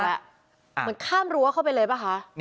เหมือนข้ามรั้วเข้าไปเลยป่ะคะ